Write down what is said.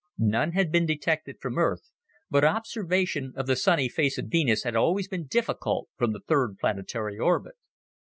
None had been detected from Earth, but observation of the sunny face of Venus had always been difficult from the third planetary orbit.